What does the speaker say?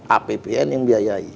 apbn yang membiayai